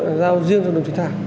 là giao riêng cho đồng thủy thảo